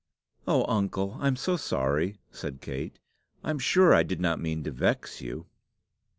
"Oh, uncle! I'm so sorry!" said Kate. "I'm sure I did not mean to vex you."